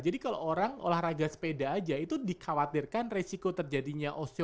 jadi kalo orang olahraga sepeda aja itu dikhawatirkan resiko terjadinya osteoporosisnya